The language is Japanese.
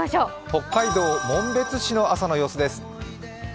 北海道紋別市の朝の様子です。